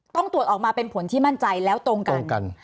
ต้องตรวจออกมาเป็นผลที่มั่นใจแล้วตรงกัน